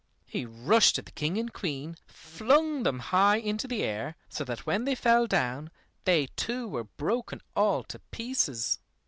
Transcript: He rushed at the King and Queen, flung them high into the air, so that when they fell down, they too were broken all to pieces.